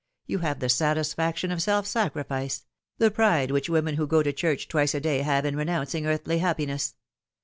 You have the satisfaction of self sacrifice the pride which women who go to church twice a day have in renouncing earthly happiness.